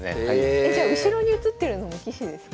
えじゃあ後ろに写ってるのも棋士ですか？